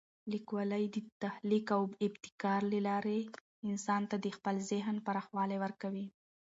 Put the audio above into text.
لیکوالی د تخلیق او ابتکار له لارې انسان ته د خپل ذهن پراخوالی ورکوي.